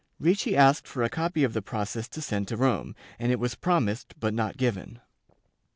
Ricci asked for a copy of the process to send to Rome, and it was promised but not given.